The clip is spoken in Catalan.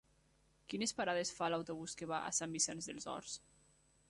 Quines parades fa l'autobús que va a Sant Vicenç dels Horts?